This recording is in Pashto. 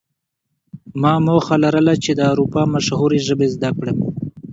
ما موخه لرله چې د اروپا مشهورې ژبې زده کړم